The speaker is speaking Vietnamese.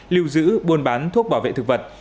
lưu giữ buôn bán thuốc bảo vệ thực vật